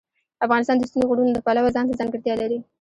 افغانستان د ستوني غرونه د پلوه ځانته ځانګړتیا لري.